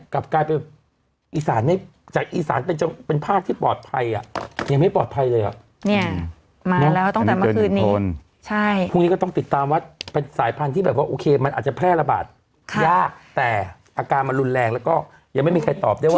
แค่ละบาทยากแต่อาการมันรุนแรงแล้วก็ยังไม่มีใครตอบได้ว่า